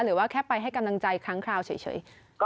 หรือว่าแค่ไปให้กำลังใจครั้งคราวเฉย